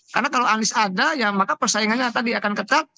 karena kalau anies ada ya maka persaingannya tadi akan ketat